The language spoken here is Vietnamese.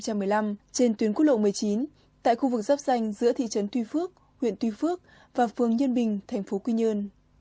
trên tuyến quốc lộ một mươi chín tại khu vực dắp danh giữa thị trấn tuy phước huyện tuy phước và phường nhân bình thành phố quy nhơn